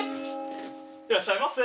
「いらっしゃいませ」。